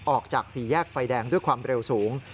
ออกจากสี่แยกไฟแดงด้วยความเร็วสูง